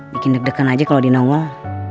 bikin deg degan aja kalau dinongol